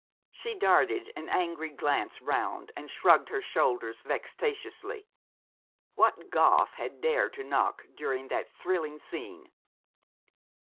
She darted an angry glance round, and shrugged her shoulders vexatiously. What Goth had dared to knock during that thrilling scene?